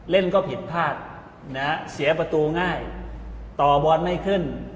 เล่นก็ผิดพลาดนะฮะเสียประตูง่ายต่อบอลไม่ขึ้น